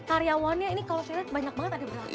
karyawannya ini kalau saya lihat banyak banget ada berapa